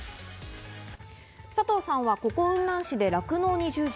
佐藤さんはここ雲南市で酪農に従事。